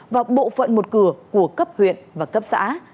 và bộ phận một cửa của cấp huyện và cấp xã